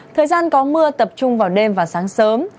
thời gian có mưa tập trung vào đêm và sáng sớm